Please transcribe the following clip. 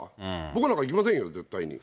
僕なんか行きませんよ、絶対に。